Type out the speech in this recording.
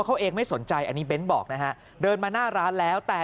เขาเองไม่สนใจอันนี้เบ้นบอกนะฮะเดินมาหน้าร้านแล้วแต่